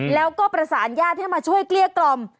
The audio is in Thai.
แล้วก็ประสานญาติให้มาช่วยเกลี้ยกล่อม